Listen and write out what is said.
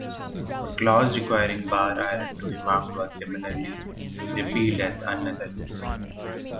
A clause requiring bar iron to be marked was similarly repealed as unnecessary.